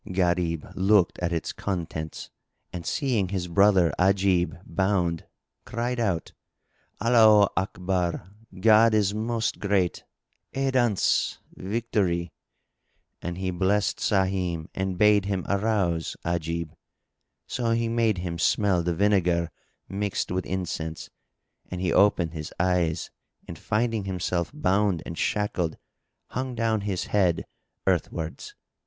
Gharib looked at its contents and seeing his brother Ajib bound, cried out, "Allaho Akbar—God is Most Great! Aidance! Victory!" And he blessed Sahim and bade him arouse Ajib. So he made him smell the vinegar mixed with incense, and he opened his eyes and, finding himself bound and shackled, hung down his head earthwards.